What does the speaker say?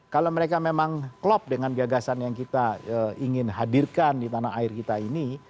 kalau mereka memang klop dengan gagasan yang kita ingin hadirkan di tanah air kita ini